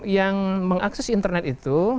yang mengakses internet itu